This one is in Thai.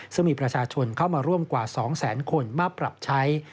ซึ่งมีประชาชนเข้ามาร่วมกว่า๒แสนคนมาปรับใช้